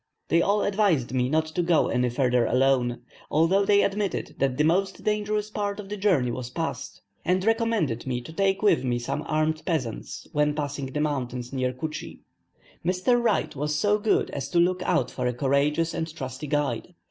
They all advised me not to go any further alone; although they admitted that the most dangerous part of the journey was past, and recommended me to take with me some armed peasants when passing the mountains near Kutschie. Mr. Wright was so good as to look out for a courageous and trusty guide.